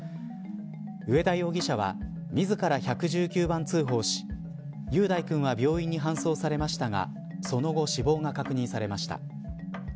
上田容疑者は自ら１１９番通報し雄大君は病院に搬送されましたがその後、死亡が確認されました。